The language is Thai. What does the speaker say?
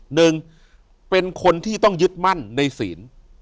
หนึ่งเป็นคนที่ต้องยึดมั่นในศีล